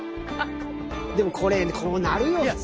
でもこれこうなるよ普通。